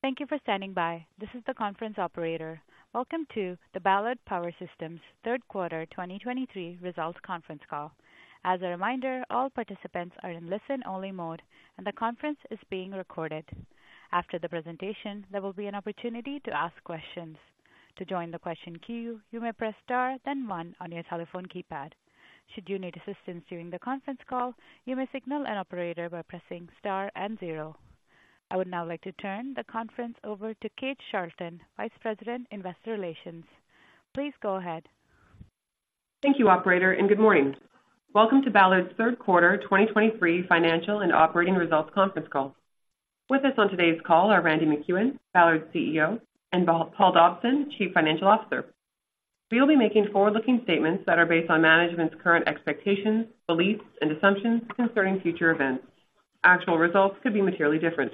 Thank you for standing by. This is the conference operator. Welcome to the Ballard Power Systems third quarter 2023 results conference call. As a reminder, all participants are in listen-only mode, and the conference is being recorded. After the presentation, there will be an opportunity to ask questions. To join the question queue, you may press Star, then one on your telephone keypad. Should you need assistance during the conference call, you may signal an operator by pressing Star and zero. I would now like to turn the conference over to Kate Charlton, Vice President, Investor Relations. Please go ahead. Thank you, operator, and good morning. Welcome to Ballard's third quarter 2023 financial and operating results conference call. With us on today's call are Randy MacEwen, Ballard's CEO, and Paul Dobson, Chief Financial Officer. We will be making forward-looking statements that are based on management's current expectations, beliefs, and assumptions concerning future events. Actual results could be materially different.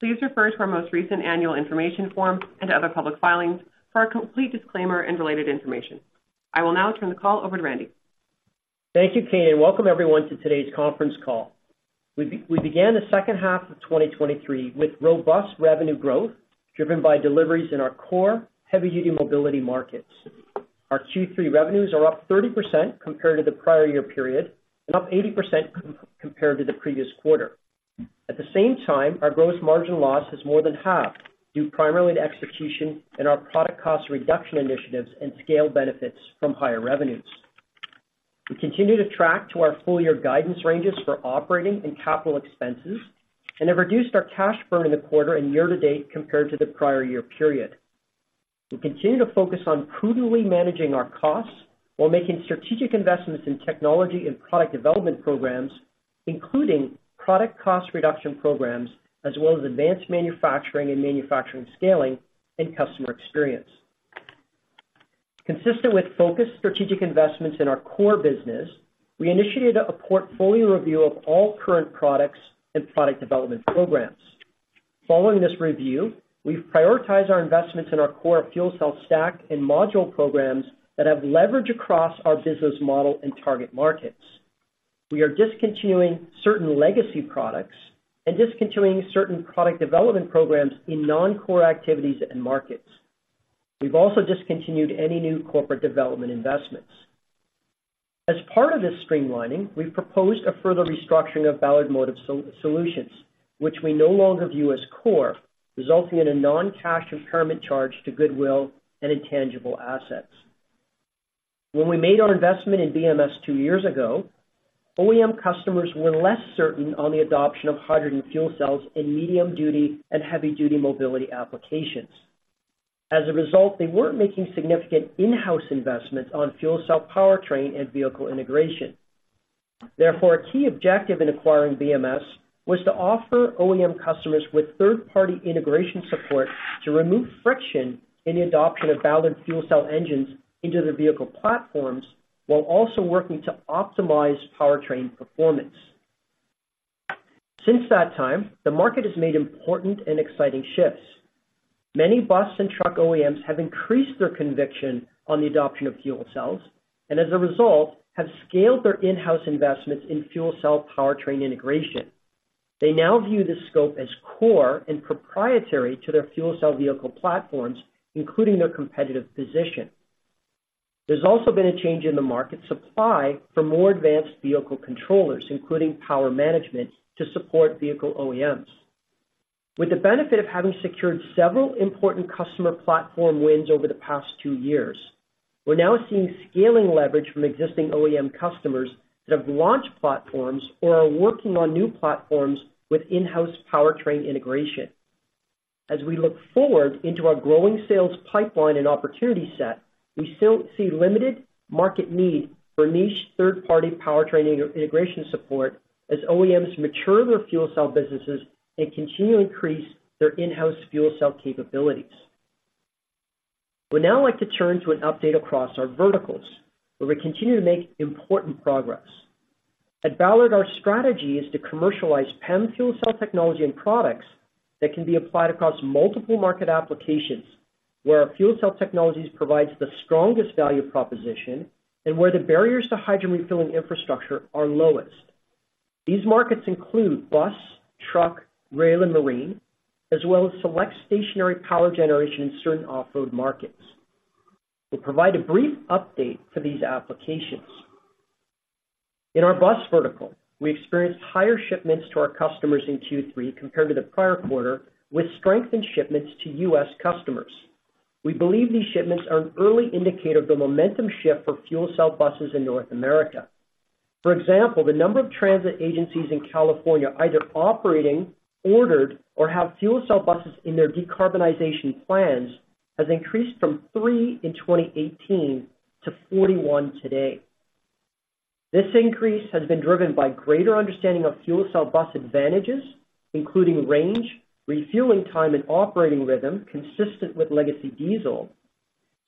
Please refer to our most recent annual information form and other public filings for our complete disclaimer and related information. I will now turn the call over to Randy. Thank you, Kate, and welcome everyone to today's conference call. We began the second half of 2023 with robust revenue growth, driven by deliveries in our core heavy-duty mobility markets. Our Q3 revenues are up 30% compared to the prior year period and up 80% compared to the previous quarter. At the same time, our gross margin loss is more than half, due primarily to execution and our product cost reduction initiatives and scale benefits from higher revenues. We continue to track to our full-year guidance ranges for operating and capital expenses and have reduced our cash burn in the quarter and year to date compared to the prior year period. We continue to focus on prudently managing our costs while making strategic investments in technology and product development programs, including product cost reduction programs, as well as advanced manufacturing and manufacturing scaling and customer experience. Consistent with focused strategic investments in our core business, we initiated a portfolio review of all current products and product development programs. Following this review, we've prioritized our investments in our core fuel cell stack and module programs that have leverage across our business model and target markets. We are discontinuing certain legacy products and discontinuing certain product development programs in non-core activities and markets. We've also discontinued any new corporate development investments. As part of this streamlining, we've proposed a further restructuring of Ballard Motive Solutions, which we no longer view as core, resulting in a non-cash impairment charge to goodwill and intangible assets. When we made our investment in BMS two years ago, OEM customers were less certain on the adoption of hydrogen fuel cells in medium-duty and heavy-duty mobility applications. As a result, they weren't making significant in-house investments on fuel cell powertrain and vehicle integration. Therefore, a key objective in acquiring BMS was to offer OEM customers with third-party integration support to remove friction in the adoption of Ballard fuel cell engines into their vehicle platforms, while also working to optimize powertrain performance. Since that time, the market has made important and exciting shifts. Many bus and truck OEMs have increased their conviction on the adoption of fuel cells, and as a result, have scaled their in-house investments in fuel cell powertrain integration. They now view this scope as core and proprietary to their fuel cell vehicle platforms, including their competitive position. There's also been a change in the market supply for more advanced vehicle controllers, including power management, to support vehicle OEMs. With the benefit of having secured several important customer platform wins over the past two years, we're now seeing scaling leverage from existing OEM customers that have launched platforms or are working on new platforms with in-house powertrain integration. As we look forward into our growing sales pipeline and opportunity set, we still see limited market need for niche third-party powertrain integration support as OEMs mature their fuel cell businesses and continue to increase their in-house fuel cell capabilities. We'd now like to turn to an update across our verticals, where we continue to make important progress. At Ballard, our strategy is to commercialize PEM fuel cell technology and products that can be applied across multiple market applications, where our fuel cell technologies provides the strongest value proposition and where the barriers to hydrogen refueling infrastructure are lowest. These markets include bus, truck, rail, and marine, as well as select stationary power generation in certain off-road markets. We'll provide a brief update for these applications. In our bus vertical, we experienced higher shipments to our customers in Q3 compared to the prior quarter, with strengthened shipments to U.S. customers. We believe these shipments are an early indicator of the momentum shift for fuel cell buses in North America. For example, the number of transit agencies in California either operating, ordered, or have fuel cell buses in their decarbonization plans, has increased from three in 2018 to 41 today. This increase has been driven by greater understanding of fuel cell bus advantages, including range, refueling time, and operating rhythm consistent with legacy diesel,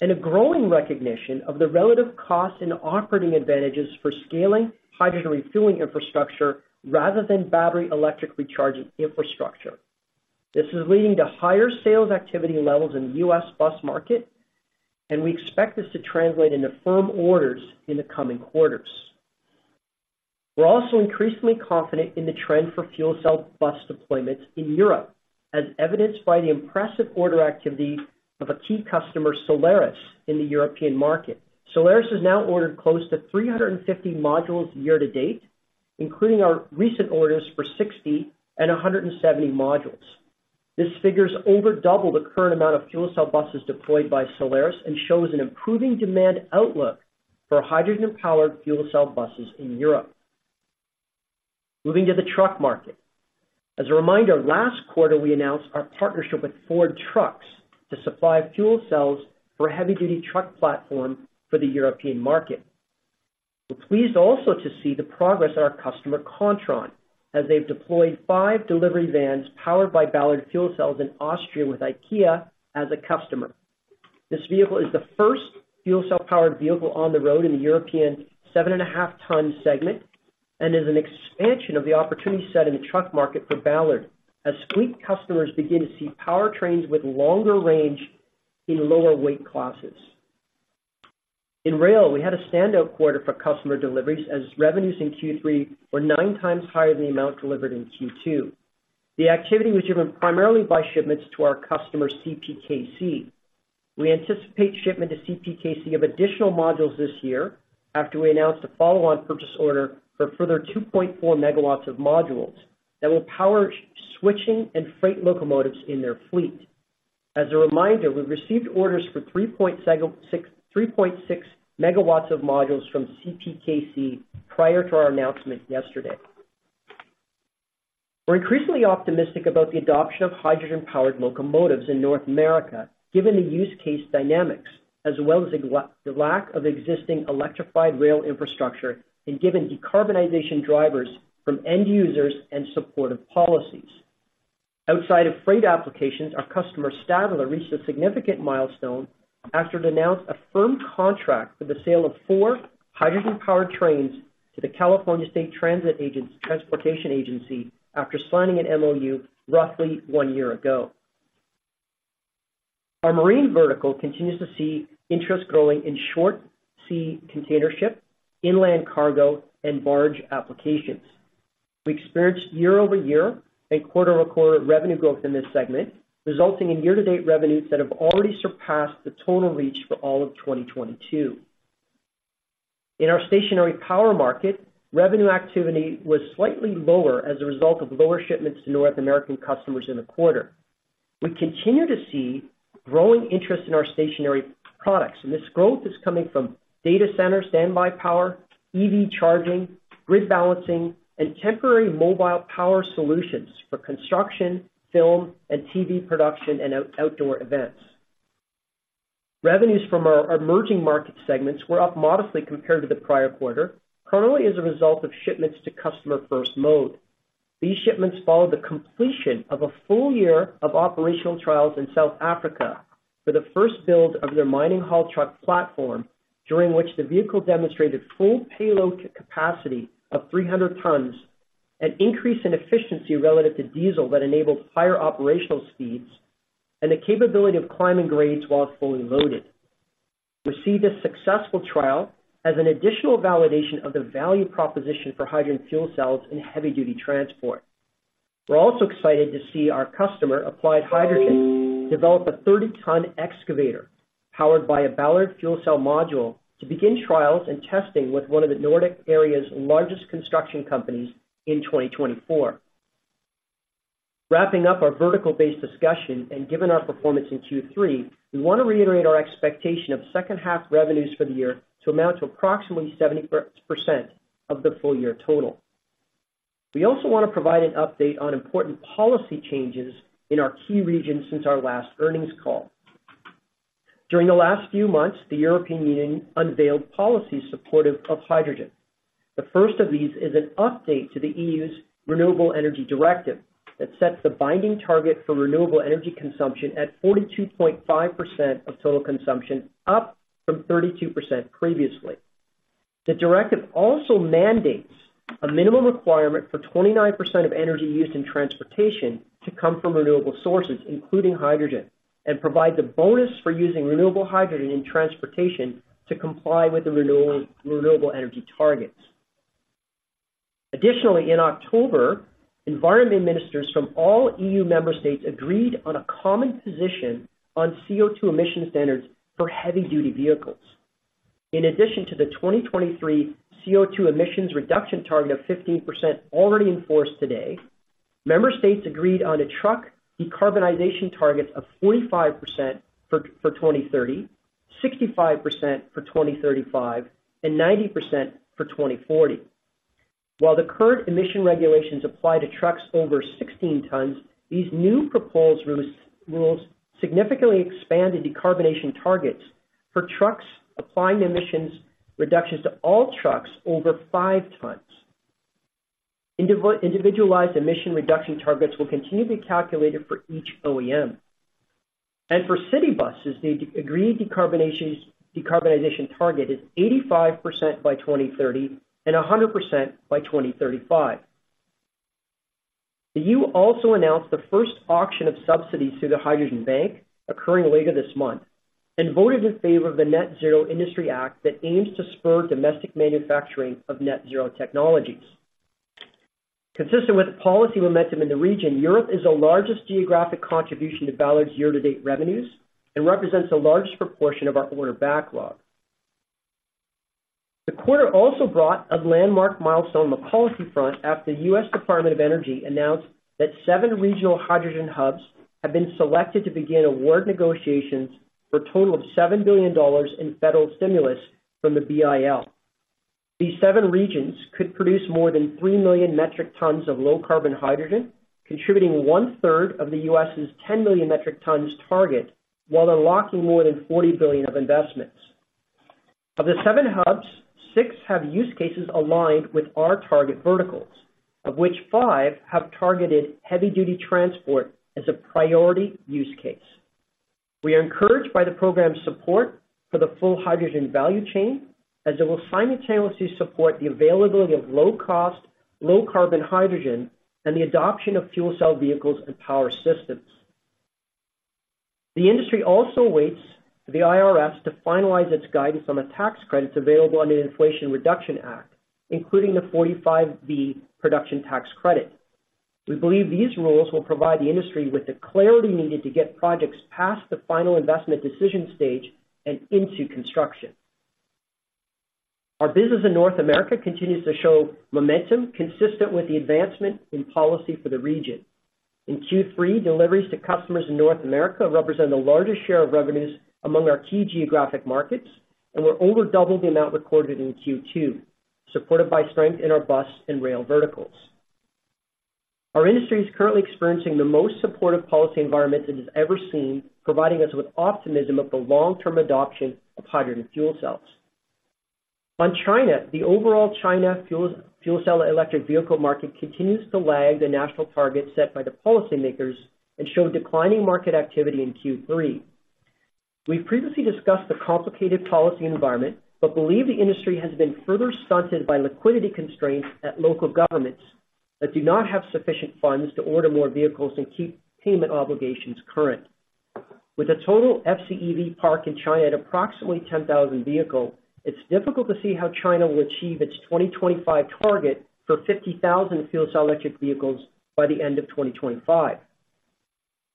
and a growing recognition of the relative cost and operating advantages for scaling hydrogen refueling infrastructure rather than battery electric recharging infrastructure. This is leading to higher sales activity levels in the U.S. bus market, and we expect this to translate into firm orders in the coming quarters. We're also increasingly confident in the trend for fuel cell bus deployments in Europe, as evidenced by the impressive order activity of a key customer, Solaris, in the European market. Solaris has now ordered close to 350 modules year-to-date, including our recent orders for 60 and 170 modules. This figure is over double the current amount of fuel cell buses deployed by Solaris, and shows an improving demand outlook for hydrogen-powered fuel cell buses in Europe. Moving to the truck market. As a reminder, last quarter, we announced our partnership with Ford Trucks to supply fuel cells for a heavy-duty truck platform for the European market. We're pleased also to see the progress of our customer, Quantron as they've deployed 5 delivery vans powered by Ballard fuel cells in Austria with IKEA as a customer. This vehicle is the first fuel cell-powered vehicle on the road in the European 7.5-ton segment, and is an expansion of the opportunity set in the truck market for Ballard, as fleet customers begin to see powertrains with longer range in lower weight classes. In rail, we had a standout quarter for customer deliveries, as revenues in Q3 were nine times higher than the amount delivered in Q2. The activity was driven primarily by shipments to our customer, CPKC. We anticipate shipment to CPKC of additional modules this year after we announced a follow-on purchase order for further 2.4 megawatts of modules that will power switching and freight locomotives in their fleet. As a reminder, we've received orders for 3.6 megawatts of modules from CPKC prior to our announcement yesterday. We're increasingly optimistic about the adoption of hydrogen-powered locomotives in North America, given the use case dynamics, as well as the lack of existing electrified rail infrastructure, and given decarbonization drivers from end users and supportive policies. Outside of freight applications, our customer, Stadler, reached a significant milestone after it announced a firm contract for the sale of four hydrogen-powered trains to the California State Transportation Agency, after signing an MOU roughly one year ago. Our marine vertical continues to see interest growing in short sea container ship, inland cargo, and barge applications. We experienced year-over-year and quarter-over-quarter revenue growth in this segment, resulting in year-to-date revenues that have already surpassed the total reach for all of 2022. In our stationary power market, revenue activity was slightly lower as a result of lower shipments to North American customers in the quarter. We continue to see growing interest in our stationary products, and this growth is coming from data center, standby power, EV charging, grid balancing, and temporary mobile power solutions for construction, film, and TV production, and outdoor events. Revenues from our emerging market segments were up modestly compared to the prior quarter, primarily as a result of shipments to customer First Mode. These shipments followed the completion of a full year of operational trials in South Africa for the first build of their mining haul truck platform, during which the vehicle demonstrated full payload capacity of 300 tons, an increase in efficiency relative to diesel that enabled higher operational speeds, and the capability of climbing grades while fully loaded. We see this successful trial as an additional validation of the value proposition for hydrogen fuel cells in heavy-duty transport. We're also excited to see our customer, Applied Hydrogen, develop a 30-ton excavator powered by a Ballard fuel cell module, to begin trials and testing with one of the Nordic area's largest construction companies in 2024. Wrapping up our vertical-based discussion, and given our performance in Q3, we want to reiterate our expectation of second half revenues for the year to amount to approximately 70% of the full year total. We also want to provide an update on important policy changes in our key regions since our last earnings call. During the last few months, the European Union unveiled policies supportive of hydrogen. The first of these is an update to the EU's Renewable Energy Directive that sets the binding target for renewable energy consumption at 42.5% of total consumption, up from 32% previously. The directive also mandates a minimum requirement for 29% of energy used in transportation to come from renewable sources, including hydrogen, and provides a bonus for using renewable hydrogen in transportation to comply with the renewable energy targets. Additionally, in October, environment ministers from all EU member states agreed on a common position on CO₂ emission standards for heavy-duty vehicles. In addition to the 2023 CO₂ emissions reduction target of 15% already in force today, member states agreed on a truck decarbonization target of 45% for 2030, 65% for 2035, and 90% for 2040. While the current emission regulations apply to trucks over 16 tons, these new proposed rules significantly expand the decarbonization targets for trucks, applying emissions reductions to all trucks over 5 tons. Individualized emission reduction targets will continue to be calculated for each OEM. For city buses, the agreed decarbonization target is 85% by 2030 and 100% by 2035. The EU also announced the first auction of subsidies through the Hydrogen Bank, occurring later this month, and voted in favor of the Net Zero Industry Act, that aims to spur domestic manufacturing of net zero technologies. Consistent with policy momentum in the region, Europe is the largest geographic contribution to Ballard's year-to-date revenues and represents the largest proportion of our order backlog. The quarter also brought a landmark milestone on the policy front, after the U.S. Department of Energy announced that seven regional hydrogen hubs have been selected to begin award negotiations for a total of $7 billion in federal stimulus from the BIL. These seven regions could produce more than 3 million metric tons of low-carbon hydrogen, contributing one-third of the U.S.'s 10 million metric tons target, while unlocking more than $40 billion of investments. Of the seven hubs, six have use cases aligned with our target verticals, of which five have targeted heavy-duty transport as a priority use case. We are encouraged by the program's support for the full hydrogen value chain, as it will simultaneously support the availability of low-cost, low-carbon hydrogen and the adoption of fuel cell vehicles and power systems. The industry also awaits the IRS to finalize its guidance on the tax credits available under the Inflation Reduction Act, including the 45V Production Tax Credit. We believe these rules will provide the industry with the clarity needed to get projects past the final investment decision stage and into construction. Our business in North America continues to show momentum consistent with the advancement in policy for the region. In Q3, deliveries to customers in North America represent the largest share of revenues among our key geographic markets and were over double the amount recorded in Q2, supported by strength in our bus and rail verticals. Our industry is currently experiencing the most supportive policy environment it has ever seen, providing us with optimism of the long-term adoption of hydrogen fuel cells. On China, the overall China fuel cell electric vehicle market continues to lag the national targets set by the policymakers and showed declining market activity in Q3. We've previously discussed the complicated policy environment, but believe the industry has been further stunted by liquidity constraints at local governments that do not have sufficient funds to order more vehicles and keep payment obligations current. With a total FCEV park in China at approximately 10,000 vehicles, it's difficult to see how China will achieve its 2025 target for 50,000 fuel cell electric vehicles by the end of 2025.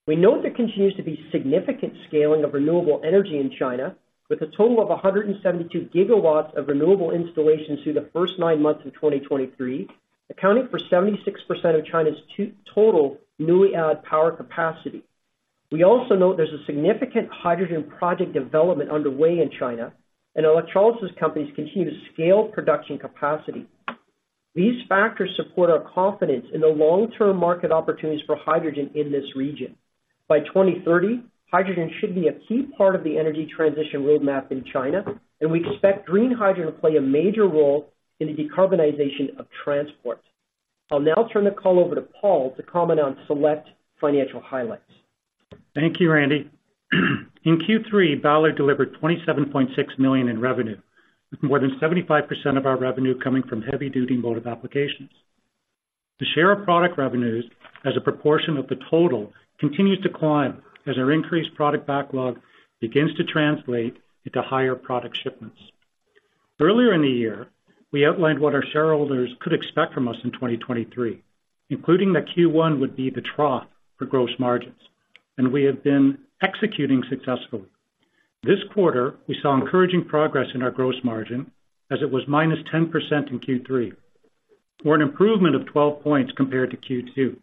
We note there continues to be significant scaling of renewable energy in China, with a total of 172 GW of renewable installations through the first nine months of 2023, accounting for 76% of China's total newly added power capacity. We also note there's a significant hydrogen project development underway in China, and electrolysis companies continue to scale production capacity. These factors support our confidence in the long-term market opportunities for hydrogen in this region. By 2030, hydrogen should be a key part of the energy transition roadmap in China, and we expect green hydrogen to play a major role in the decarbonization of transport. I'll now turn the call over to Paul to comment on select financial highlights. Thank you, Randy. In Q3, Ballard delivered 27.6 million in revenue, with more than 75% of our revenue coming from heavy-duty motive applications. The share of product revenues as a proportion of the total continues to climb as our increased product backlog begins to translate into higher product shipments. Earlier in the year, we outlined what our shareholders could expect from us in 2023, including that Q1 would be the trough for gross margins, and we have been executing successfully. This quarter, we saw encouraging progress in our gross margin, as it was -10% in Q3, or an improvement of 12 points compared to Q2.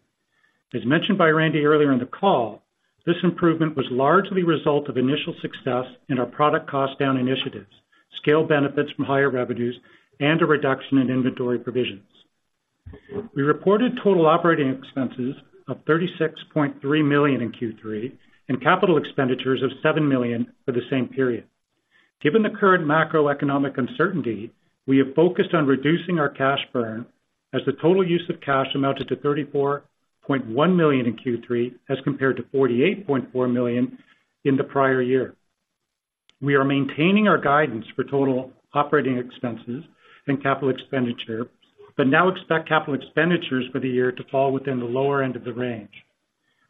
As mentioned by Randy earlier in the call, this improvement was largely a result of initial success in our product cost down initiatives, scale benefits from higher revenues, and a reduction in inventory provisions. We reported total operating expenses of 36.3 million in Q3 and capital expenditures of 7 million for the same period. Given the current macroeconomic uncertainty, we have focused on reducing our cash burn as the total use of cash amounted to 34.1 million in Q3, as compared to 48.4 million in the prior year. We are maintaining our guidance for total operating expenses and capital expenditure, but now expect capital expenditures for the year to fall within the lower end of the range.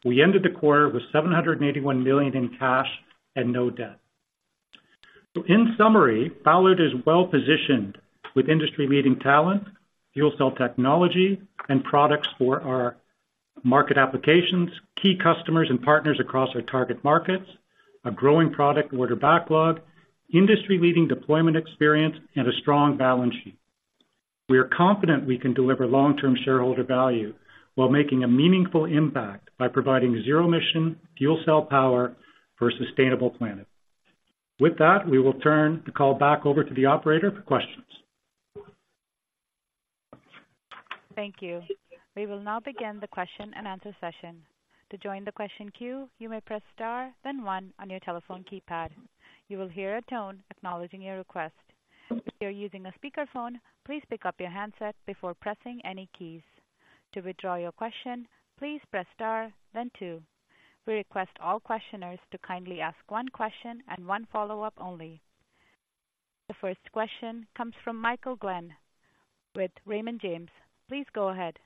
We ended the quarter with 781 million in cash and no debt. In summary, Ballard is well positioned with industry-leading talent, fuel cell technology and products for our market applications, key customers and partners across our target markets, a growing product order backlog, industry-leading deployment experience, and a strong balance sheet. We are confident we can deliver long-term shareholder value while making a meaningful impact by providing zero-emission fuel cell power for a sustainable planet. With that, we will turn the call back over to the operator for questions. Thank you. We will now begin the question-and-answer session. To join the question queue, you may press star, then one on your telephone keypad. You will hear a tone acknowledging your request. If you are using a speakerphone, please pick up your handset before pressing any keys. To withdraw your question, please press star then two. We request all questioners to kindly ask one question and one follow-up only.... The first question comes from Michael Glen with Raymond James. Please go ahead.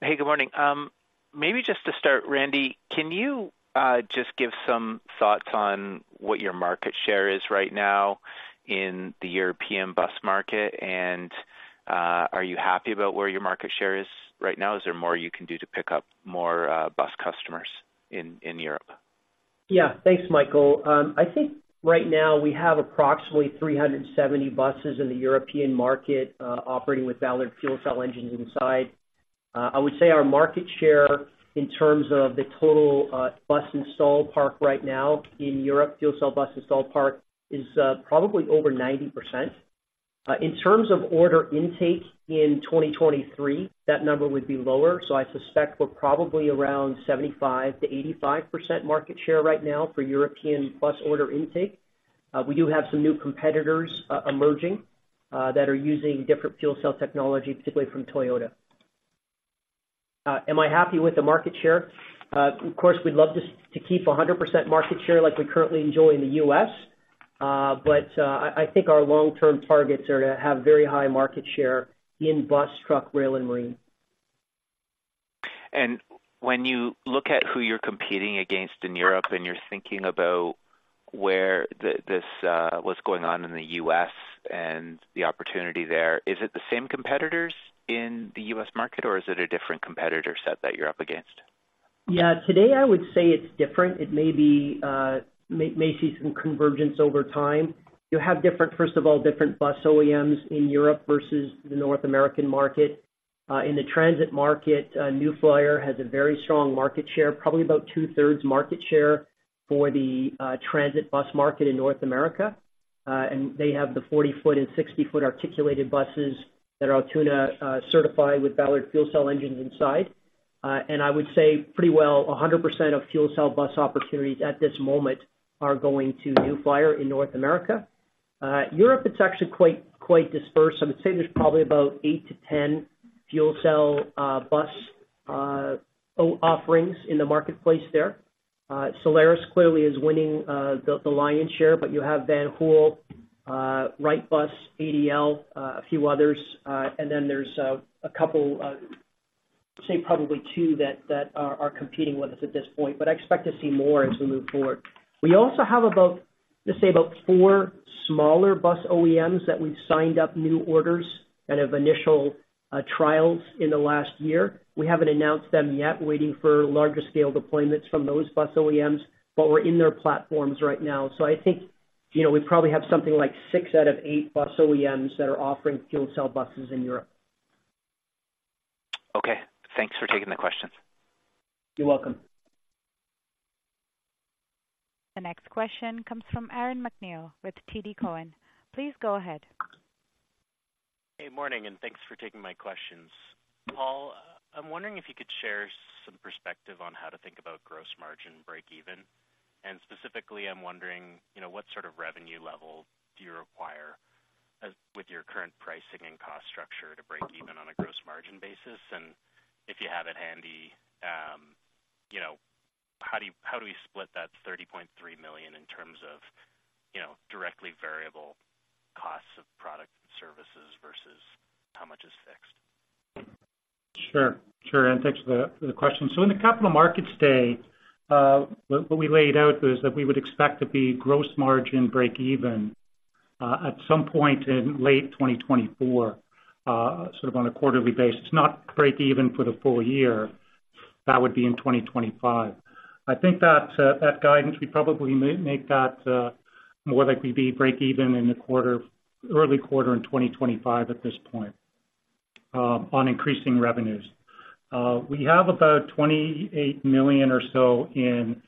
Hey, good morning. Maybe just to start, Randy, can you just give some thoughts on what your market share is right now in the European bus market? Are you happy about where your market share is right now? Is there more you can do to pick up more bus customers in Europe? Yeah. Thanks, Michael. I think right now we have approximately 370 buses in the European market, operating with Ballard fuel cell engines inside. I would say our market share in terms of the total, bus install park right now in Europe, fuel cell bus install park, is, probably over 90%. In terms of order intake in 2023, that number would be lower, so I suspect we're probably around 75%-85% market share right now for European bus order intake. We do have some new competitors, emerging, that are using different fuel cell technology, particularly from Toyota. Am I happy with the market share? Of course, we'd love to keep 100% market share like we currently enjoy in the U.S., but I think our long-term targets are to have very high market share in bus, truck, rail and marine. When you look at who you're competing against in Europe, and you're thinking about where the, this, what's going on in the US and the opportunity there, is it the same competitors in the US market, or is it a different competitor set that you're up against? Yeah, today, I would say it's different. It may be, may see some convergence over time. You have different—first of all, different bus OEMs in Europe versus the North American market. In the transit market, New Flyer has a very strong market share, probably about two-thirds market share for the transit bus market in North America. And they have the 40-foot and 60-foot articulated buses that are TUV certified with Ballard fuel cell engines inside. And I would say pretty well, 100% of fuel cell bus opportunities at this moment are going to New Flyer in North America. Europe, it's actually quite dispersed. I would say there's probably about 8-10 fuel cell bus offerings in the marketplace there. Solaris clearly is winning the lion's share, but you have Van Hool, Wrightbus, ADL, a few others, and then there's a couple, say probably two that are competing with us at this point, but I expect to see more as we move forward. We also have about, let's say, about 4 smaller bus OEMs that we've signed up new orders that have initial trials in the last year. We haven't announced them yet, waiting for larger scale deployments from those bus OEMs, but we're in their platforms right now. So I think, you know, we probably have something like 6 out of 8 bus OEMs that are offering fuel cell buses in Europe. Okay, thanks for taking the questions. You're welcome. The next question comes from Aaron MacNeil with TD Cowen. Please go ahead. Hey, morning, and thanks for taking my questions. Paul, I'm wondering if you could share some perspective on how to think about gross margin break even. Specifically, I'm wondering, you know, what sort of revenue level do you require as with your current pricing and cost structure to break even on a gross margin basis? If you have it handy, you know, how do we split that 30.3 million in terms of, you know, directly variable costs of product and services versus how much is fixed? Sure. Sure, and thanks for the question. So in the capital markets day, what we laid out was that we would expect to be gross margin break even at some point in late 2024, sort of on a quarterly basis, not break even for the full year. That would be in 2025. I think that guidance, we probably make that more like we be break even in the early quarter in 2025 at this point, on increasing revenues. We have about 28 million or so in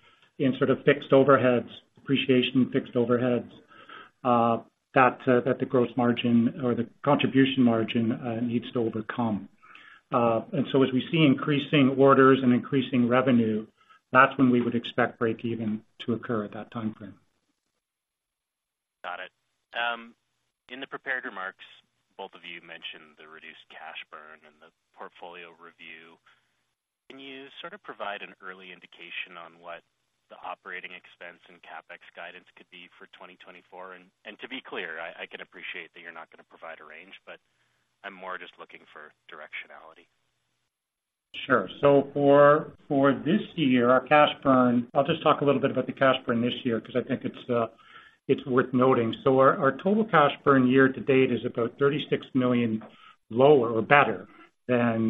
sort of fixed overheads, depreciation and fixed overheads, that the gross margin or the contribution margin needs to overcome. And so as we see increasing orders and increasing revenue, that's when we would expect break even to occur at that time frame. Got it. In the prepared remarks, both of you mentioned the reduced cash burn and the portfolio review. Can you sort of provide an early indication on what the operating expense and CapEx guidance could be for 2024? To be clear, I can appreciate that you're not gonna provide a range, but I'm more just looking for directionality. Sure. So for this year, our cash burn. I'll just talk a little bit about the cash burn this year, because I think it's worth noting. So our total cash burn year to date is about 36 million lower or better than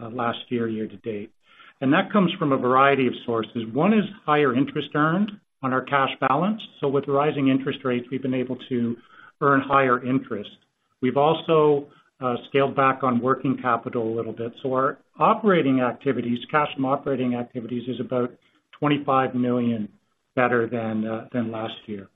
last year, year to date. And that comes from a variety of sources. One is higher interest earned on our cash balance. So with rising interest rates, we've been able to earn higher interest. We've also scaled back on working capital a little bit. So our operating activities, cash from operating activities, is about 25 million better than last year.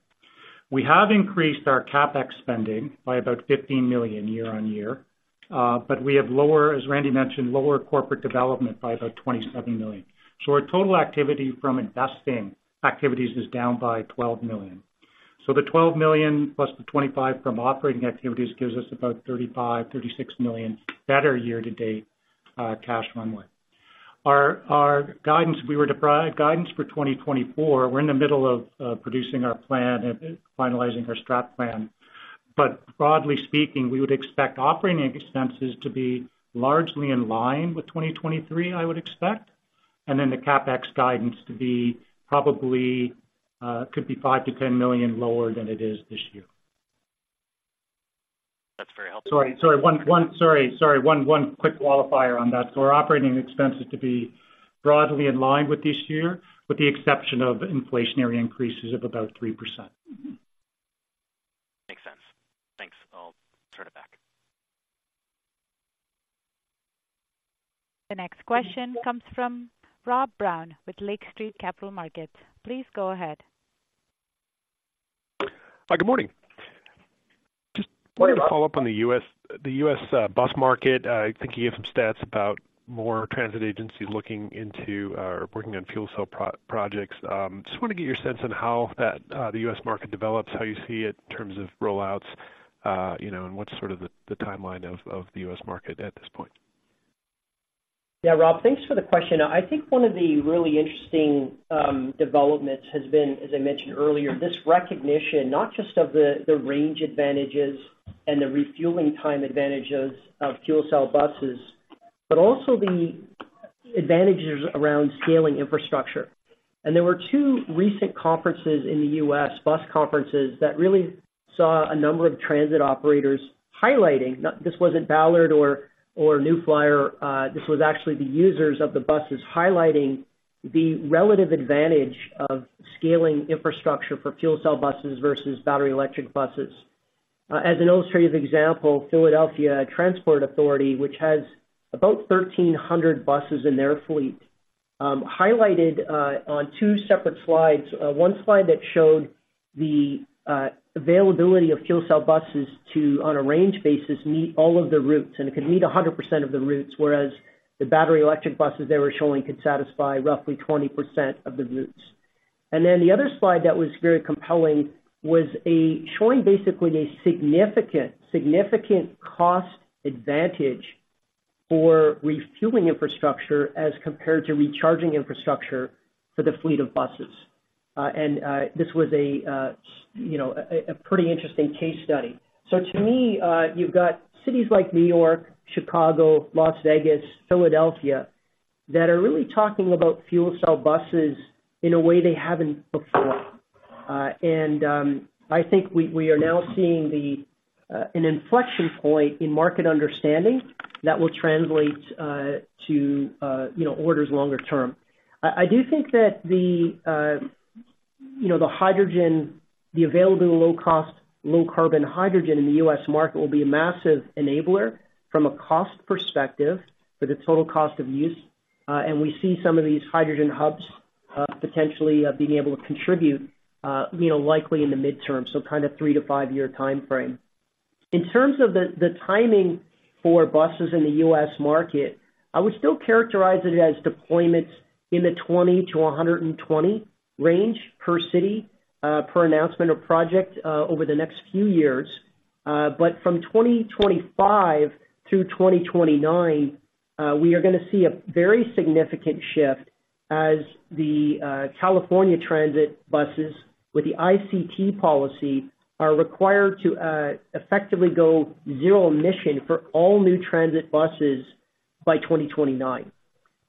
We have increased our CapEx spending by about 15 million year on year, but we have lower, as Randy mentioned, lower corporate development by about 27 million. Our total activity from investing activities is down by 12 million. The 12 million plus the 25 from operating activities gives us about 35-36 million better year-to-date, cash runway. Our guidance, we were to provide guidance for 2024. We're in the middle of producing our plan and finalizing our strat plan. But broadly speaking, we would expect operating expenses to be largely in line with 2023, I would expect, and then the CapEx guidance to be probably could be 5 million-10 million lower than it is this year. That's very helpful. One quick qualifier on that. So our operating expenses to be broadly in line with this year, with the exception of inflationary increases of about 3%. Mm-hmm. Makes sense. Thanks. I'll turn it back. The next question comes from Rob Brown with Lake Street Capital Markets. Please go ahead. Hi, good morning. Good morning, Rob. Wanted to follow up on the U.S. bus market. I think you gave some stats about more transit agencies looking into working on fuel cell projects. Just want to get your sense on how that, the U.S. market develops, how you see it in terms of rollouts, you know, and what's sort of the timeline of the U.S. market at this point? Yeah, Rob, thanks for the question. I think one of the really interesting developments has been, as I mentioned earlier, this recognition not just of the range advantages and the refueling time advantages of fuel cell buses, but also the advantages around scaling infrastructure. And there were two recent conferences in the U.S., bus conferences, that really saw a number of transit operators highlighting, not this wasn't Ballard or New Flyer, this was actually the users of the buses highlighting the relative advantage of scaling infrastructure for fuel cell buses versus battery electric buses. As an illustrative example, Philadelphia Transport Authority, which has about 1,300 buses in their fleet, highlighted on 2 separate slides, one slide that showed the availability of fuel cell buses to, on a range basis, meet all of the routes, and it could meet 100% of the routes, whereas the battery electric buses they were showing could satisfy roughly 20% of the routes. And then the other slide that was very compelling was a showing basically a significant, significant cost advantage for refueling infrastructure as compared to recharging infrastructure for the fleet of buses. And this was a you know a pretty interesting case study. So to me, you've got cities like New York, Chicago, Las Vegas, Philadelphia, that are really talking about fuel cell buses in a way they haven't before. And, I think we are now seeing an inflection point in market understanding that will translate to, you know, orders longer term. I do think that, you know, the hydrogen, the available low-cost, low-carbon hydrogen in the U.S. market will be a massive enabler from a cost perspective for the total cost of use. And we see some of these hydrogen hubs potentially being able to contribute, you know, likely in the midterm, so kind of 3- to 5-year timeframe. In terms of the timing for buses in the U.S. market, I would still characterize it as deployments in the 20-120 range per city, per announcement or project, over the next few years. But from 2025 through 2029, we are gonna see a very significant shift as the California transit buses with the ICT Policy are required to effectively go zero emission for all new transit buses by 2029.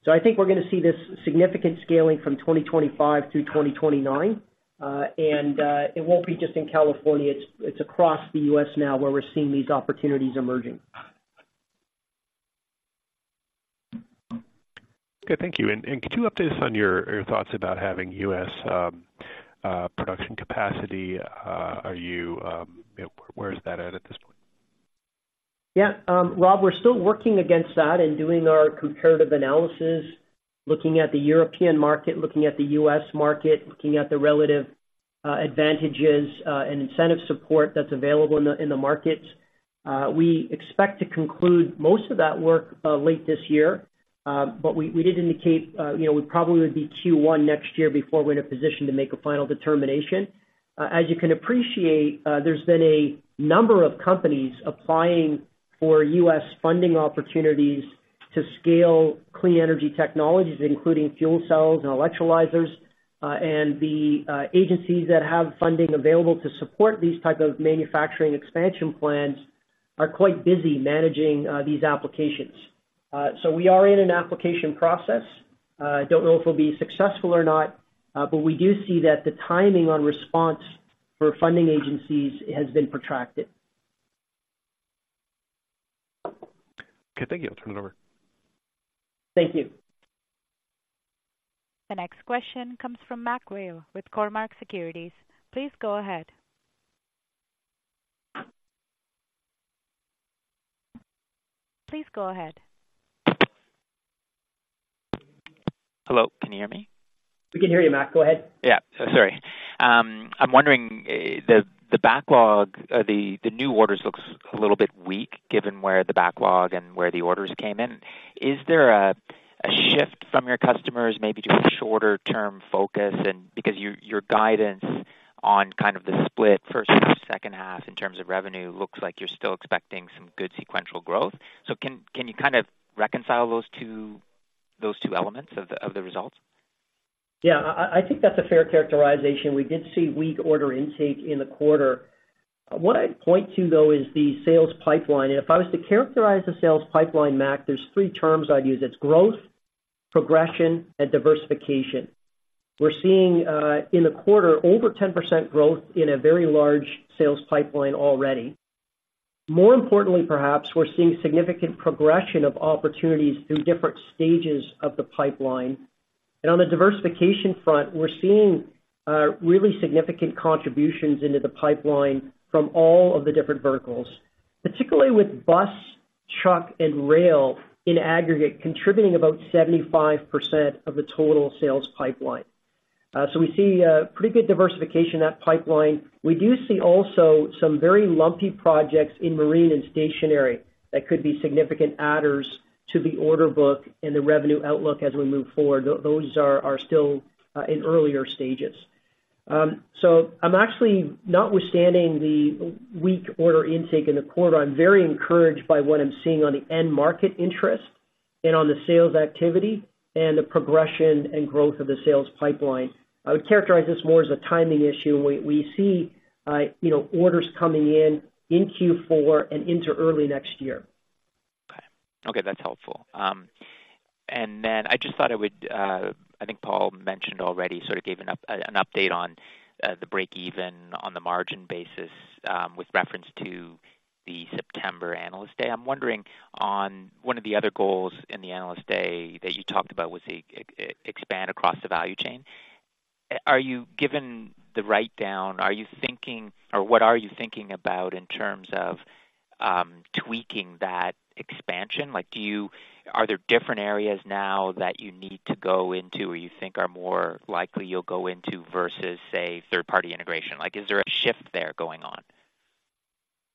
So I think we're gonna see this significant scaling from 2025 through 2029. And it won't be just in California, it's across the U.S. now, where we're seeing these opportunities emerging. Okay. Thank you. And could you update us on your thoughts about having U.S. production capacity? Are you, you know, where is that at this point? Yeah. Rob, we're still working against that and doing our comparative analysis, looking at the European market, looking at the U.S. market, looking at the relative advantages and incentive support that's available in the markets. We expect to conclude most of that work late this year. But we did indicate, you know, we probably would be Q1 next year before we're in a position to make a final determination. As you can appreciate, there's been a number of companies applying for U.S. funding opportunities to scale clean energy technologies, including fuel cells and electrolyzers. And the agencies that have funding available to support these type of manufacturing expansion plans are quite busy managing these applications. So we are in an application process. Don't know if we'll be successful or not, but we do see that the timing on response for funding agencies has been protracted. Okay, thank you. I'll turn it over. Thank you. The next question comes from Mac Whale with Cormark Securities. Please go ahead. Please go ahead. Hello, can you hear me? We can hear you, Matt. Go ahead. Yeah, so sorry. I'm wondering, the backlog, the new orders looks a little bit weak, given where the backlog and where the orders came in. Is there a shift from your customers, maybe to a shorter-term focus? And because your guidance on kind of the split first to second half in terms of revenue, looks like you're still expecting some good sequential growth. So can you kind of reconcile those two elements of the results? ... Yeah, I think that's a fair characterization. We did see weak order intake in the quarter. What I'd point to, though, is the sales pipeline. And if I was to characterize the sales pipeline, Mac, there's three terms I'd use. It's growth, progression, and diversification. We're seeing in the quarter, over 10% growth in a very large sales pipeline already. More importantly, perhaps, we're seeing significant progression of opportunities through different stages of the pipeline. And on the diversification front, we're seeing really significant contributions into the pipeline from all of the different verticals, particularly with bus, truck, and rail, in aggregate, contributing about 75% of the total sales pipeline. So we see pretty good diversification in that pipeline. We do see also some very lumpy projects in marine and stationary that could be significant adders to the order book and the revenue outlook as we move forward. Those are still in earlier stages. So I'm actually, notwithstanding the weak order intake in the quarter, I'm very encouraged by what I'm seeing on the end market interest and on the sales activity and the progression and growth of the sales pipeline. I would characterize this more as a timing issue, and we see, you know, orders coming in in Q4 and into early next year. Okay. Okay, that's helpful. And then I just thought I would, I think Paul mentioned already, sort of gave an update on the breakeven on the margin basis, with reference to the September Analyst Day. I'm wondering on one of the other goals in the Analyst Day that you talked about, was the expand across the value chain. Are you given the write-down, are you thinking or what are you thinking about in terms of tweaking that expansion? Like, are there different areas now that you need to go into or you think are more likely you'll go into versus, say, third-party integration? Like, is there a shift there going on?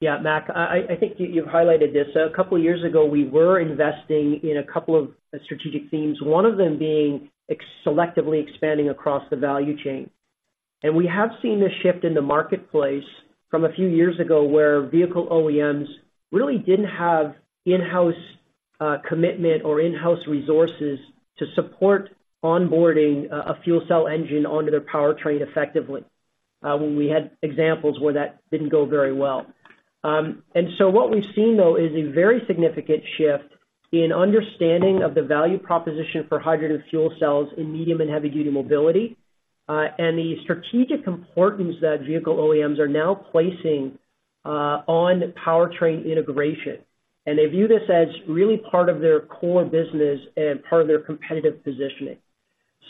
Yeah, Mac, I think you've highlighted this. A couple of years ago, we were investing in a couple of strategic themes, one of them being selectively expanding across the value chain. And we have seen a shift in the marketplace from a few years ago, where vehicle OEMs really didn't have in-house commitment or in-house resources to support onboarding a fuel cell engine onto their powertrain effectively, when we had examples where that didn't go very well. And so what we've seen, though, is a very significant shift in understanding of the value proposition for hydrogen fuel cells in medium and heavy-duty mobility, and the strategic importance that vehicle OEMs are now placing on powertrain integration. And they view this as really part of their core business and part of their competitive positioning.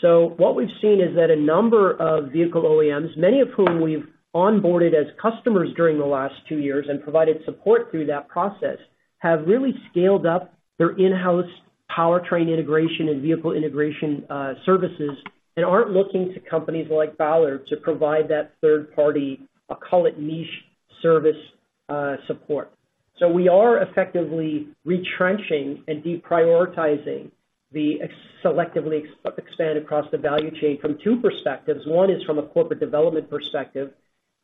So what we've seen is that a number of vehicle OEMs, many of whom we've onboarded as customers during the last two years and provided support through that process, have really scaled up their in-house powertrain integration and vehicle integration, services, and aren't looking to companies like Ballard to provide that third party, I'll call it, niche service, support. So we are effectively retrenching and deprioritizing the selective expansion across the value chain from two perspectives. One is from a corporate development perspective,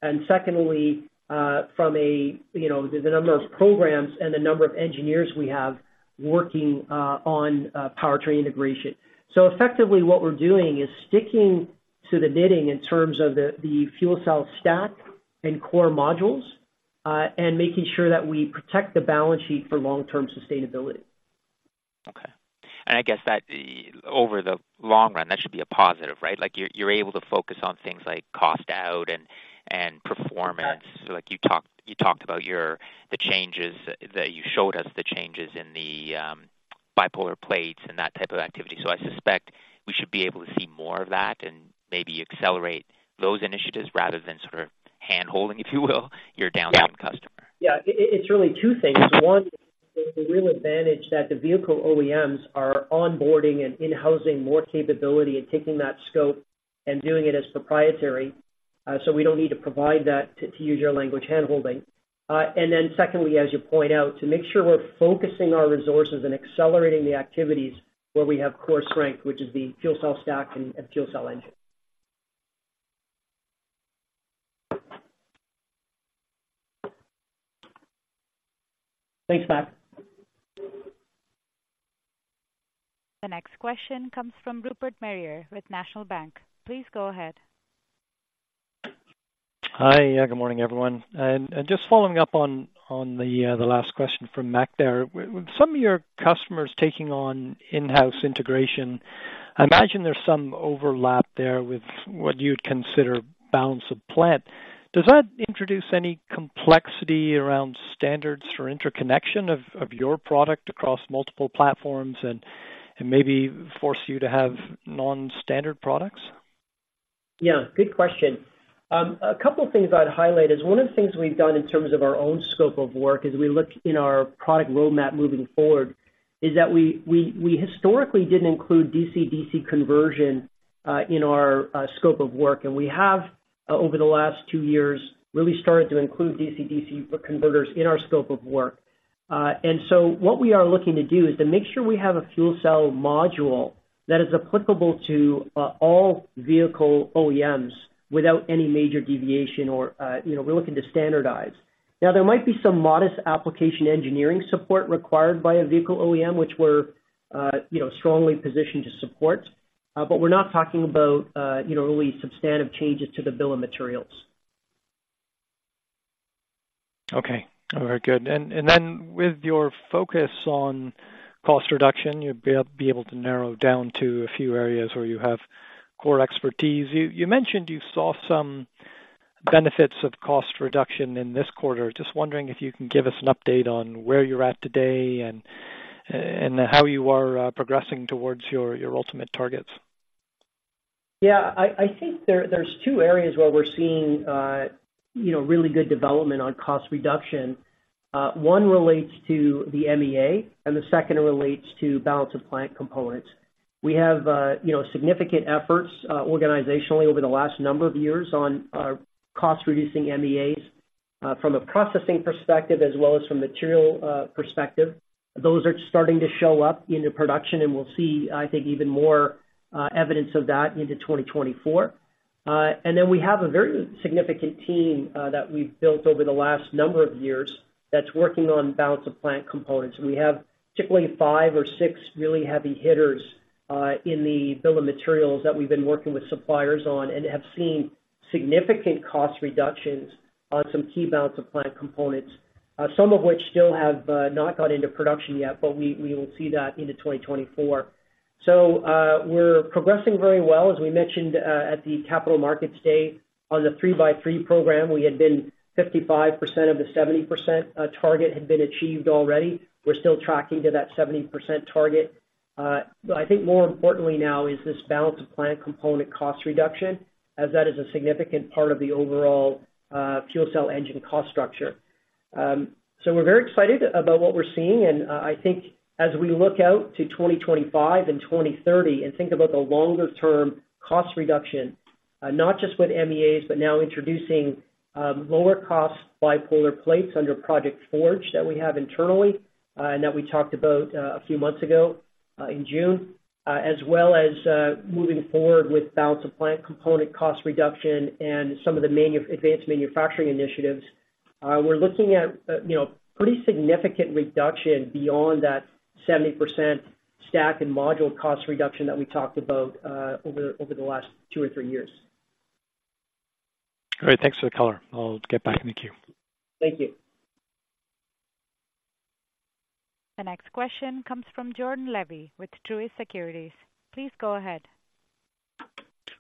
and secondly, you know, the number of programs and the number of engineers we have working on powertrain integration. So effectively, what we're doing is sticking to the knitting in terms of the fuel cell stack and core modules, and making sure that we protect the balance sheet for long-term sustainability. Okay. I guess that, over the long run, that should be a positive, right? Like, you're, you're able to focus on things like cost out and, and performance. Correct. So like you talked about your, the changes that you showed us, the changes in the bipolar plates and that type of activity. So I suspect we should be able to see more of that and maybe accelerate those initiatives rather than sort of handholding, if you will, your downstream customer. Yeah. It's really two things. One, the real advantage that the vehicle OEMs are onboarding and in-housing more capability and taking that scope and doing it as proprietary, so we don't need to provide that, to use your language, handholding. And then secondly, as you point out, to make sure we're focusing our resources and accelerating the activities where we have core strength, which is the fuel cell stack and fuel cell engine. Thanks, Mac. The next question comes from Rupert Merer with National Bank. Please go ahead. Hi. Yeah, good morning, everyone. And just following up on the last question from Mac there. With some of your customers taking on in-house integration, I imagine there's some overlap there with what you'd consider balance of plant. Does that introduce any complexity around standards for interconnection of your product across multiple platforms and maybe force you to have non-standard products? Yeah, good question. A couple of things I'd highlight is one of the things we've done in terms of our own scope of work, as we look in our product roadmap moving forward, is that we historically didn't include DC-DC conversion in our scope of work. And we have over the last two years really started to include DC-DC converters in our scope of work. And so what we are looking to do is to make sure we have a fuel cell module that is applicable to all vehicle OEMs without any major deviation or, you know, we're looking to standardize. Now, there might be some modest application engineering support required by a vehicle OEM, which we're, you know, strongly positioned to support, but we're not talking about, you know, really substantive changes to the bill of materials. Okay, all right, good. And then with your focus on cost reduction, you'll be able to narrow down to a few areas where you have core expertise. You mentioned you saw some benefits of cost reduction in this quarter. Just wondering if you can give us an update on where you're at today and how you are progressing towards your ultimate targets? Yeah, I think there's 2 areas where we're seeing, you know, really good development on cost reduction. One relates to the MEA, and the second relates to balance of plant components. We have, you know, significant efforts, organizationally over the last number of years on, cost reducing MEAs, from a processing perspective as well as from material perspective. Those are starting to show up into production, and we'll see, I think, even more evidence of that into 2024. And then we have a very significant team, that we've built over the last number of years that's working on balance of plant components. We have particularly five or six really heavy hitters in the bill of materials that we've been working with suppliers on and have seen significant cost reductions on some key balance of plant components, some of which still have not gone into production yet, but we, we will see that into 2024. So, we're progressing very well. As we mentioned at the Capital Markets Day, on the 3x3 Program, we had been 55% of the 70%, target had been achieved already. We're still tracking to that 70% target. But I think more importantly now is this balance of plant component cost reduction, as that is a significant part of the overall fuel cell engine cost structure. So we're very excited about what we're seeing, and I think as we look out to 2025 and 2030, and think about the longer-term cost reduction, not just with MEAs, but now introducing lower-cost bipolar plates under Project Forge that we have internally, and that we talked about a few months ago in June, as well as moving forward with balance of plant component cost reduction and some of the advanced manufacturing initiatives. We're looking at, you know, pretty significant reduction beyond that 70% stack and module cost reduction that we talked about over the last two or three years. Great. Thanks for the color. I'll get back in the queue. Thank you. The next question comes from Jordan Levy with Truist Securities. Please go ahead.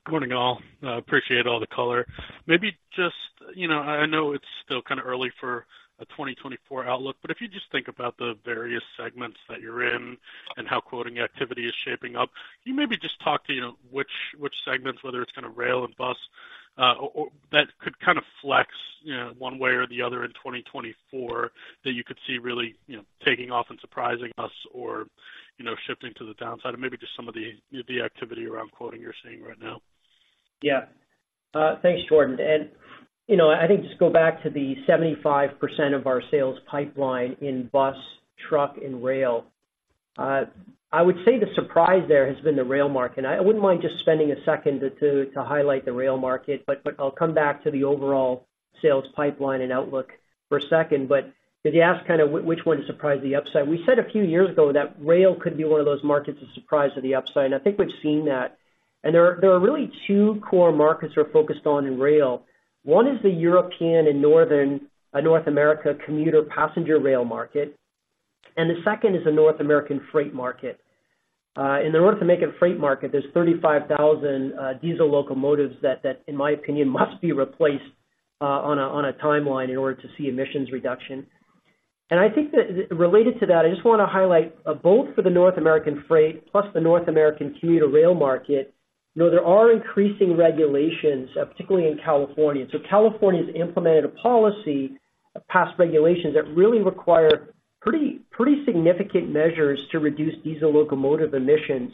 Good morning, all. I appreciate all the color. Maybe just, you know, I know it's still kind of early for a 2024 outlook, but if you just think about the various segments that you're in and how quoting activity is shaping up, can you maybe just talk to, you know, which segments, whether it's kind of rail and bus or that could kind of flex, you know, one way or the other in 2024, that you could see really, you know, taking off and surprising us or, you know, shifting to the downside, or maybe just some of the activity around quoting you're seeing right now? Yeah. Thanks, Jordan. And, you know, I think just go back to the 75% of our sales pipeline in bus, truck, and rail. I would say the surprise there has been the rail market. I wouldn't mind just spending a second to highlight the rail market, but I'll come back to the overall sales pipeline and outlook for a second. But if you ask kind of which one to surprise the upside, we said a few years ago that rail could be one of those markets to surprise to the upside, and I think we've seen that. And there are really two core markets we're focused on in rail. One is the European and Northern North America commuter passenger rail market, and the second is the North American freight market. In the North American freight market, there's 35,000 diesel locomotives that, in my opinion, must be replaced on a timeline in order to see emissions reduction. And I think that related to that, I just wanna highlight both for the North American freight plus the North American commuter rail market, you know, there are increasing regulations, particularly in California. So California has implemented a policy, passed regulations, that really require pretty significant measures to reduce diesel locomotive emissions.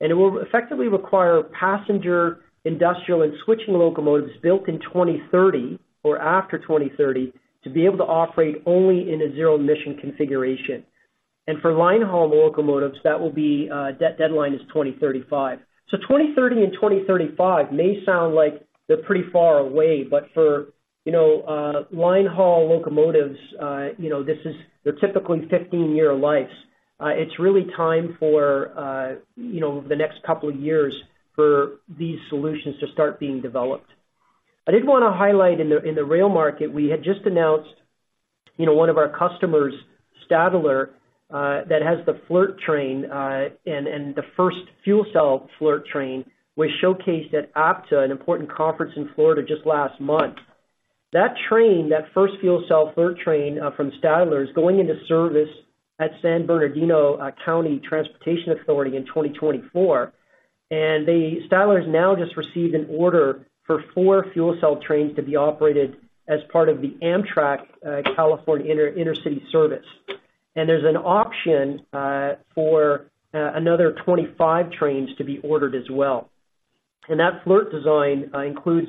And it will effectively require passenger, industrial, and switching locomotives built in 2030 or after 2030, to be able to operate only in a zero-emission configuration. And for line haul locomotives, that deadline is 2035. So 2030 and 2035 may sound like they're pretty far away, but for, you know, line haul locomotives, you know, this is their typically 15-year lives. It's really time for, you know, the next couple of years for these solutions to start being developed. I did wanna highlight in the rail market, we had just announced, you know, one of our customers, Stadler, that has the FLIRT train, and the first fuel cell FLIRT train was showcased at APTA, an important conference in Florida just last month. That train, that first fuel cell FLIRT train, from Stadler, is going into service at San Bernardino County Transportation Authority in 2024, and Stadler has now just received an order for 4 fuel cell trains to be operated as part of the Amtrak California Intercity service. There's an option for another 25 trains to be ordered as well. And that FLIRT design includes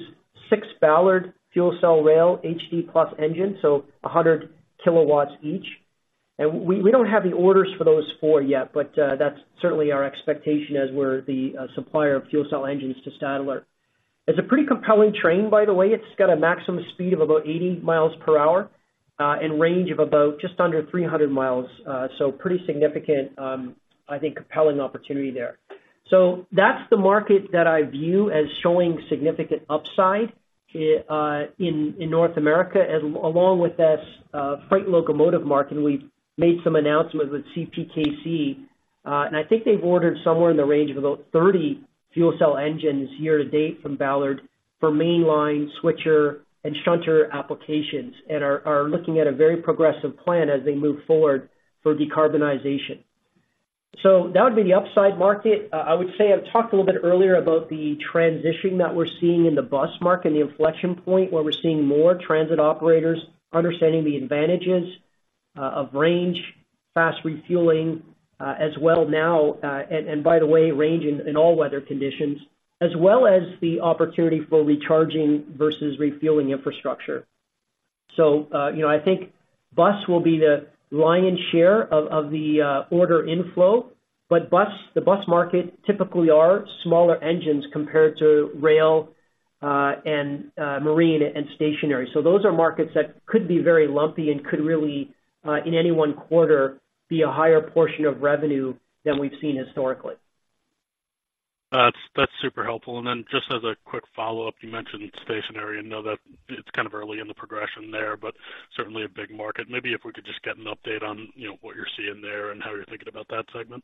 six Ballard fuel cell Rail HD+ engines, so 100 kW each. And we don't have the orders for those four yet, but that's certainly our expectation as we're the supplier of fuel cell engines to Stadler. It's a pretty compelling train, by the way. It's got a maximum speed of about 80 miles per hour and range of about just under 300 miles. So pretty significant, I think, compelling opportunity there. So that's the market that I view as showing significant upside in North America. Along with this freight locomotive market, we've made some announcements with CPKC, and I think they've ordered somewhere in the range of about 30 fuel cell engines year to date from Ballard for mainline, switcher, and shunter applications, and are looking at a very progressive plan as they move forward for decarbonization. So that would be the upside market. I would say I've talked a little bit earlier about the transition that we're seeing in the bus market, and the inflection point, where we're seeing more transit operators understanding the advantages of range, fast refueling, as well now. And by the way, range in all weather conditions, as well as the opportunity for recharging versus refueling infrastructure. You know, I think bus will be the lion's share of the order inflow, but the bus market typically are smaller engines compared to rail, and marine and stationary. Those are markets that could be very lumpy and could really, in any one quarter, be a higher portion of revenue than we've seen historically. That's super helpful. And then just as a quick follow-up, you mentioned stationary. I know that it's kind of early in the progression there, but certainly a big market. Maybe if we could just get an update on, you know, what you're seeing there and how you're thinking about that segment.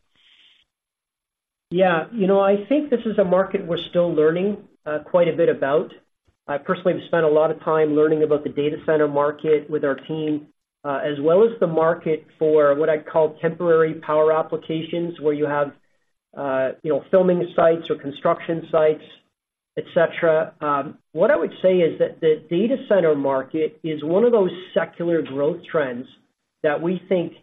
Yeah. You know, I think this is a market we're still learning quite a bit about. I personally have spent a lot of time learning about the data center market with our team, as well as the market for what I'd call temporary power applications, where you have, you know, filming sites or construction sites, et cetera. What I would say is that the data center market is one of those secular growth trends that we think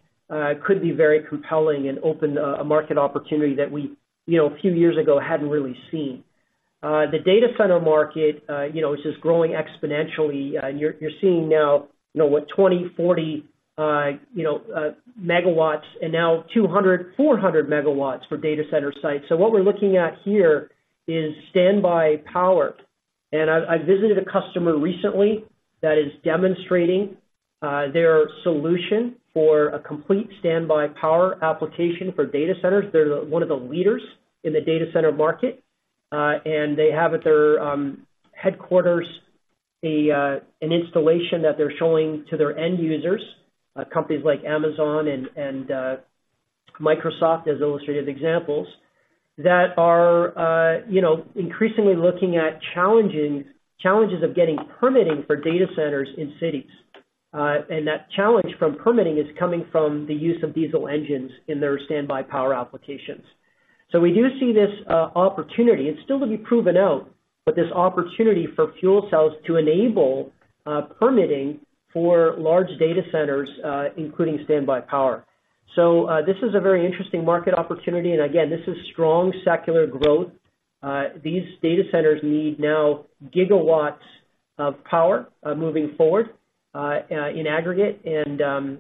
could be very compelling and open a, a market opportunity that we, you know, a few years ago hadn't really seen. The data center market, you know, is just growing exponentially. And you're, you're seeing now, you know what, 20, 40, you know, megawatts and now 200, 400 megawatts for data center sites. So what we're looking at here is standby power. And I've visited a customer recently that is demonstrating their solution for a complete standby power application for data centers. They're one of the leaders in the data center market, and they have at their headquarters an installation that they're showing to their end users, companies like Amazon and Microsoft, as illustrative examples, that are you know increasingly looking at challenges of getting permitting for data centers in cities. And that challenge from permitting is coming from the use of diesel engines in their standby power applications. So we do see this opportunity. It's still to be proven out, but there's opportunity for fuel cells to enable permitting for large data centers, including standby power. So, this is a very interesting market opportunity, and again, this is strong secular growth. These data centers need now gigawatts of power, moving forward, in aggregate. And,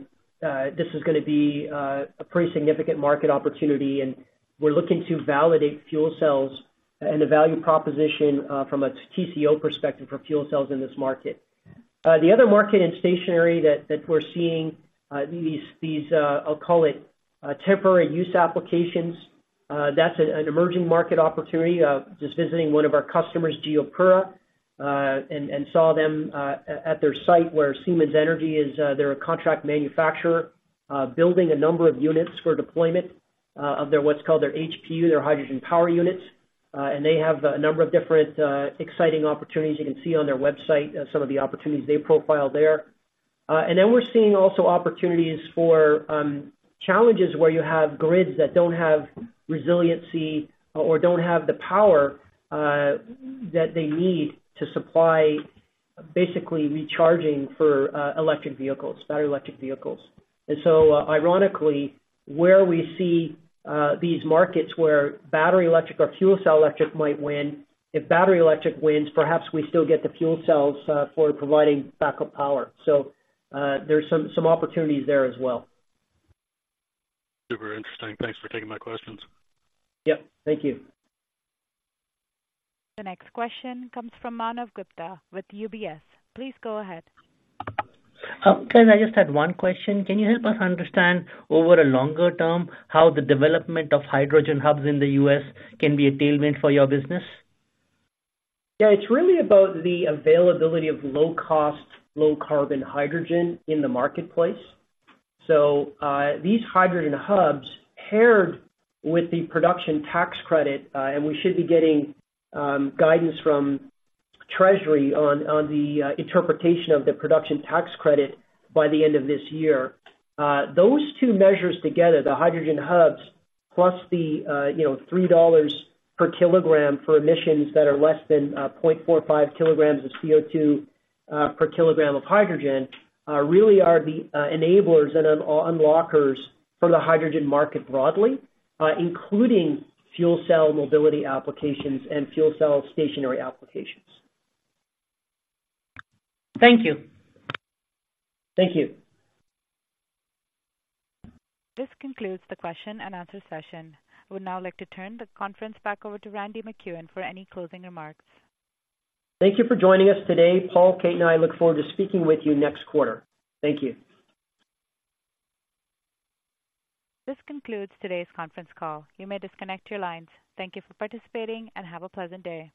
this is gonna be a pretty significant market opportunity, and we're looking to validate fuel cells and the value proposition, from a TCO perspective for fuel cells in this market. The other market in stationary that we're seeing, these, I'll call it, temporary use applications, that's an emerging market opportunity. Just visiting one of our customers, GeoPura, and saw them, at their site where Siemens Energy is, they're a contract manufacturer, building a number of units for deployment, of their what's called their HPU, their hydrogen power units. They have a number of different exciting opportunities. You can see on their website some of the opportunities they profile there. Then we're seeing also opportunities for challenges where you have grids that don't have resiliency or don't have the power that they need to supply, basically recharging for electric vehicles, battery electric vehicles. So, ironically, where we see these markets where battery electric or fuel cell electric might win, if battery electric wins, perhaps we still get the fuel cells for providing backup power. There's some opportunities there as well. Super interesting. Thanks for taking my questions. Yep. Thank you. The next question comes from Manav Gupta with UBS. Please go ahead. Ken, I just had one question. Can you help us understand, over a longer term, how the development of hydrogen hubs in the U.S. can be a tailwind for your business? Yeah, it's really about the availability of low-cost, low-carbon hydrogen in the marketplace. So, these hydrogen hubs, paired with the production tax credit, and we should be getting guidance from Treasury on the interpretation of the production tax credit by the end of this year. Those two measures together, the hydrogen hubs, plus the, you know, $3 per kilogram for emissions that are less than 0.45 kilograms of CO2 per kilogram of hydrogen, really are the enablers and unlockers for the hydrogen market broadly, including fuel cell mobility applications and fuel cell stationary applications. Thank you. Thank you. This concludes the question and answer session. I would now like to turn the conference back over to Randy MacEwen for any closing remarks. Thank you for joining us today. Paul, Kate, and I look forward to speaking with you next quarter. Thank you. This concludes today's conference call. You may disconnect your lines. Thank you for participating, and have a pleasant day.